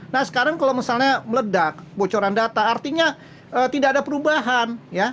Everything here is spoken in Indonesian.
nah sekarang kalau misalnya meledak bocoran data artinya tidak ada perubahan